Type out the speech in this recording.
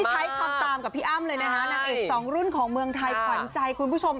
ใช้คำตามกับพี่อ้ำเลยนะคะนางเอกสองรุ่นของเมืองไทยขวัญใจคุณผู้ชม